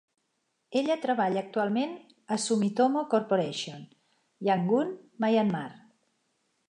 Ella treballa actualment a Sumitomo Corporation, Yangon, Myanmar.